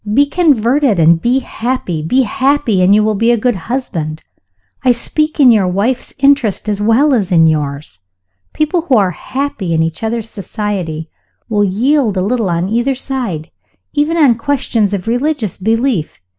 Be converted, and be happy. Be happy, and you will be a good husband. I speak in your wife 's interest as well as in yours. People who are happy in each other's society, will yield a little on either side, even on questions of religious belief.